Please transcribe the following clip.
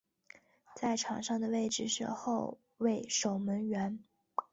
在场上的位置是后卫守门员。